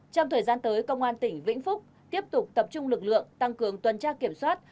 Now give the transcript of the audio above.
trong thời gian tới công an tỉnh vĩnh phúc tiếp tục tập trung lực lượng tăng cường tuần tra kiểm soát